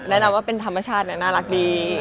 แนะนำว่าเป็นธรรมชาติและน่ารักดี